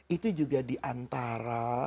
itu juga di antara